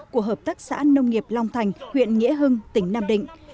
của hợp tác xã nông nghiệp long thành huyện nghĩa hưng tỉnh nam định